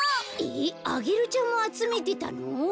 えっアゲルちゃんもあつめてたの？